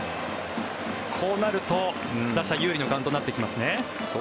こうなると打者有利のカウントになってきますね。